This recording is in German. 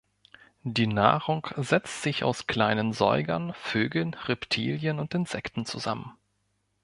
Die Nahrung setzt sich aus kleinen Säugern, Vögeln, Reptilien und Insekten zusammen.